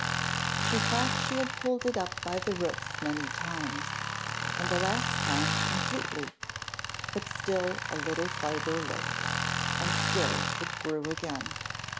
She thought she had pulled it up by the roots many times, and the last time completely; but still a little fibre lurked, and still it grew again.